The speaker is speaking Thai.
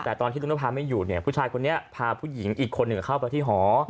แต่ตอนที่ลุงนภาไม่อยู่เนี่ยผู้ชายคนนี้พาผู้หญิงอีกคนหนึ่งเข้าไปที่หอ